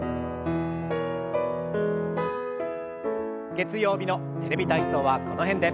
月曜日の「テレビ体操」はこの辺で。